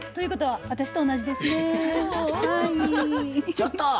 ちょっと！